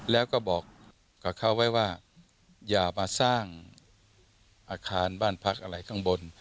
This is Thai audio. แล้วก็บอกกับเขาไว้ว่าอย่ามาสร้างอาคารบ้านพักอะไรข้างบน